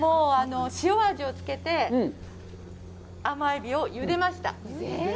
塩味をつけて甘えびをゆでました。